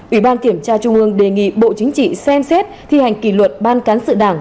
ủy ban kiểm tra trung ương đề nghị bộ chính trị xem xét thi hành kỷ luật ban cán sự đảng